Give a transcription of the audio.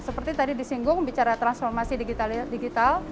seperti tadi di singgung bicara transformasi digital